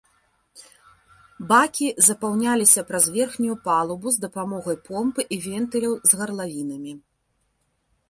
Бакі запаўняліся праз верхнюю палубу з дапамогай помпы і вентыляў з гарлавінамі.